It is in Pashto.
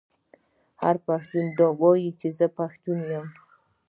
هر پښتون دې ووايي چې زه پښتو یم.